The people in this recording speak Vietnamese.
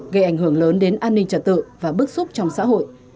gây ảnh hưởng lớn đến an ninh trật tự và bức xúc trong xã hội